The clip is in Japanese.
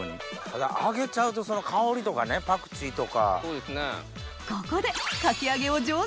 ただ揚げちゃうと香りとかパクチーとか。